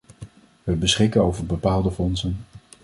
We beschikken over bepaalde fondsen.